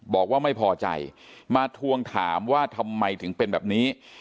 บอกว่าไม่พอใจมาทวงถามว่าทำไมถึงเป็นแบบนี้